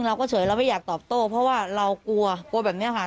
เราก็เฉยเราไม่อยากตอบโต้เพราะว่าเรากลัวกลัวแบบนี้ค่ะ